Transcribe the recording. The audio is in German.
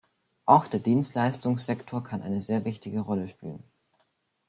Auch der Dienstleistungssektor kann eine sehr wichtige Rolle spielen.